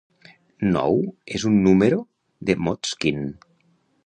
Nou és un número de Motzkin.